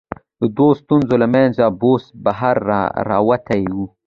د دوو ستنو له منځه بوس بهر را وتي و.